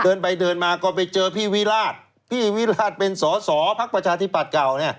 เดินไปเดินมาก็ไปเจอพี่วิราชพี่วิราชเป็นสอสอพักประชาธิบัตย์เก่าเนี่ย